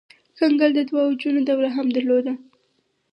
کنګل د دوه اوجونو دوره هم درلوده.